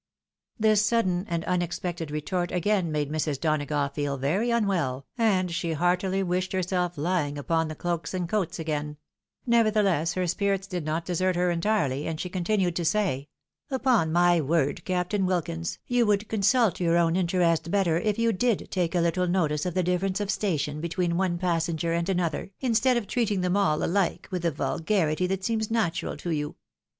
This sudden and unexpected retort again made Mrs. Dona gough feel very unwell, and she heartily wished herself lying upon the cloaks and coats again ; nevertheless her spirits did not desert her entirely, and she continued to say, " Upon my word, Captain Wilkins, you would consult your own interest better if you did take a little notice of the difference of station between one passenger and another, instead of treating them all alike, with the vulgarity that seems natural to you."